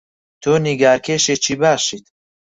تۆ نیگارکێشێکی باشیت.